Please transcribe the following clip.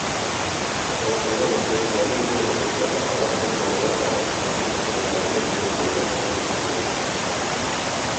Тылсымлы әкиятләрнең бер өлеше аталар һәм балалар арасындагы мөнәсәбәтләрне сурәтләүдән башланып китә.